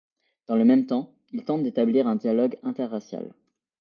Dans le même temps, il tente d'établir un dialogue inter-racial.